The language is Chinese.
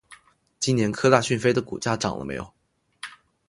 今年科大讯飞的股价涨了没有？